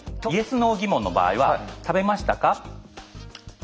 ＹＥＳ・ＮＯ疑問の場合は「食べましたか？」。